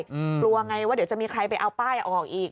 กลัวไงว่าเดี๋ยวจะมีใครไปเอาป้ายออกอีก